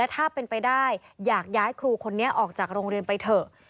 ถ้าเป็นไปได้อยากย้ายครูคนนี้ออกจากโรงเรียนไปเถอะ